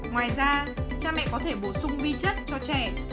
ngoài ra cha mẹ có thể bổ sung vi chất cho trẻ